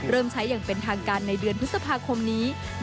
เริ่มใช้อย่างเป็นทางการในเดือนพฤษภาคมนี้